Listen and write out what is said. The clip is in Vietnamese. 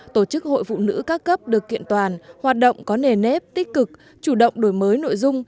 tổ chức hội phụ nữ các cấp được kiện toàn hoạt động có nề nếp tích cực chủ động đổi mới nội dung